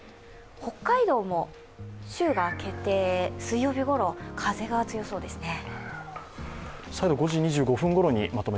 北海道も週が明けて水曜日ごろ、風が強そうですね。